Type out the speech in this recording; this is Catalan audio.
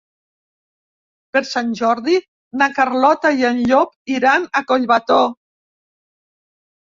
Per Sant Jordi na Carlota i en Llop iran a Collbató.